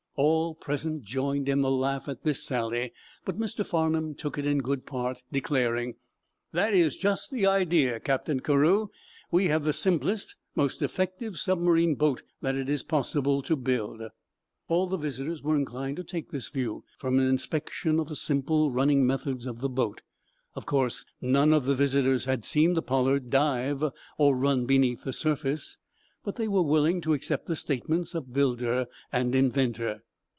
All present joined in the laugh at this sally, but Mr. Farnum took it in good part declaring: "That is just the idea, Captain Carew. We have the simplest, most effective submarine boat that it is possible to build." All of the visitors were inclined to take this view, from an inspection of the simple running methods of the boat. Of course, none of the visitors had seen the "Pollard" dive or run beneath the surface, but they were willing to accept the statements of builder and inventor.